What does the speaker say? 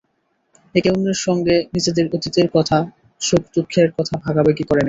একে অন্যের সঙ্গে নিজেদের অতীতের কথা, সুখ-দুঃখের কথা ভাগাভাগি করে নিন।